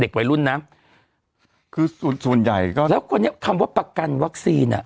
เด็กวัยรุ่นน่ะคือส่วนส่วนใหญ่ก็แล้วก็เนี้ยคำว่าประกันวัคซีนอ่ะ